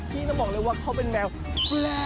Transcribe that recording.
ที่ต้องบอกเลยว่าเขาเป็นแมวแปลกแค่บ้าง